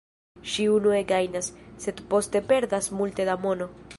Ŝi unue gajnas, sed poste perdas multe da mono.